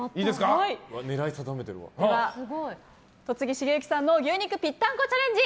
では戸次重幸さんの牛肉ぴったんこチャレンジ